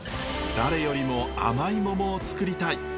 誰よりも甘いモモをつくりたい。